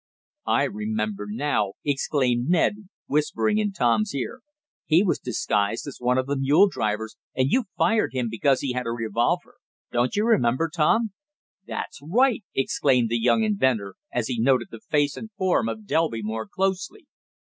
"I remember now!" exclaimed Ned whispering in Tom's ear, "he was disguised as one of the mule drivers and you fired him because he had a revolver. Don't you remember, Tom?" "That's right!" exclaimed the young inventor as he noted the face and form of Delby more closely.